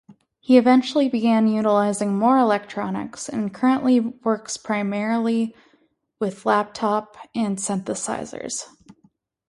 He eventually began utilizing more electronics, and currently works primarily with laptop and synthesizers.